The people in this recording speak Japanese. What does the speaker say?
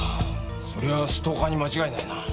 そりゃストーカーに間違いないな。